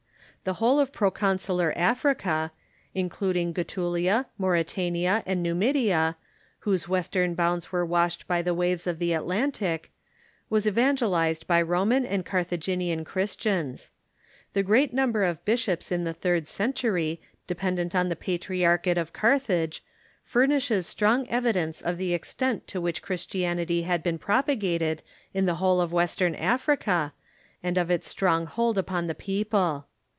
The whole of proconsular Africa, including Getulia, Mauritania, and Numidia, whose Avestern bounds were washed by the waves of the Atlantic, was evan gelized by Roman and Carthaginian Christians. The great number of bishops in the third century dependent on the pa triarchate of Carthage furnishes strong evidence of the extent to which Christianity had been propagated in the whole of Western Africa, and of its strong hold upon the people.